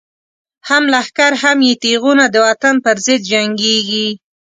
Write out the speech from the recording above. هم لښکر هم یی تیغونه، دوطن پر ضد جنګیږی